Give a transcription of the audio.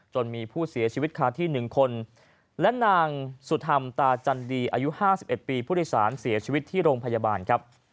จนมีผู้เสียชีวิตคาที่หนึ่งคนและนางสุธรรมตาจันดีอายุห้าสิบเอ็ดปีผู้ริสารเสียชีวิตที่โรงพยาบาลครับ